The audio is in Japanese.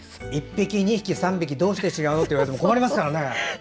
「１ぴき」、「２ひき」「３びき」ってどうして違う？って言われても困りますからね。